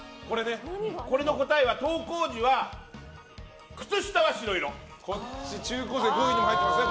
これの答えは登校時は中高生５位にも入ってますね。